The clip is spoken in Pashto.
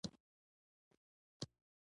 خو خلک حاجي صاحب وایي.